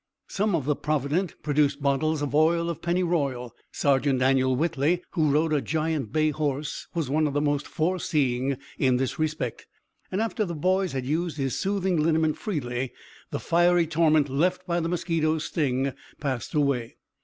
Some of the provident produced bottles of oil of pennyroyal. Sergeant Daniel Whitley, who rode a giant bay horse, was one of the most foreseeing in this respect, and, after the boys had used his soothing liniment freely, the fiery torment left by the mosquito's sting passed away.